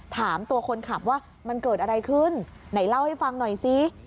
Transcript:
ถามตัวคนขับว่ามันเกิดอะไรขึ้นไหนเล่าให้ฟังหน่อยซิ